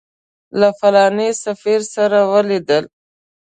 له فلاني سفیر سره ولیدل.